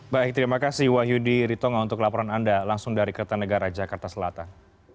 baik terima kasih wahyudi ritonga untuk laporan anda langsung dari kertanegara jakarta selatan